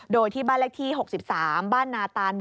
โดยที่บ้านเลขที่๖๓บ้านนาตานหมู่